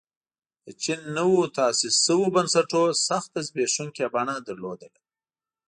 د چین نویو تاسیس شویو بنسټونو سخته زبېښونکې بڼه لرله.